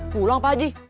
pulang pak aji